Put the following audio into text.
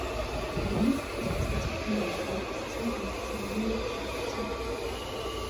Дамираны сэтгэлд бялхаж явсан баяр хөөр салхинд туугдсан манан адил арилжээ.